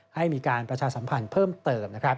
ให้มีการประชาสัมพันธ์เพิ่มเติมนะครับ